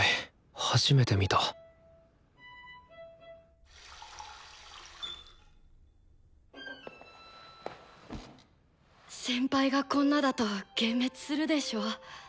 初めて見た先輩がこんなだと幻滅するでしょ？